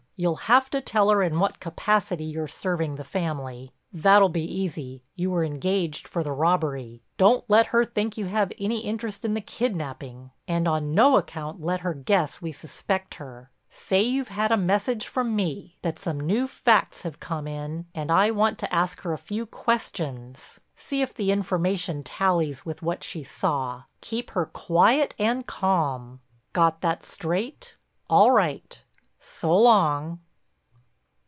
You'll have to tell her in what capacity you're serving the family. That'll be easy—you were engaged for the robbery. Don't let her think you have any interest in the kidnaping, and on no account let her guess we suspect her. Say you've had a message from me, that some new facts have come in and I want to ask her a few questions—see if the information tallies with what she saw. Keep her quiet and calm. Got that straight? All right—so long."